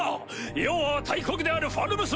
余は大国であるファルムス